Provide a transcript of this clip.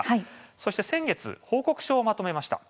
そして先月報告書をまとめました。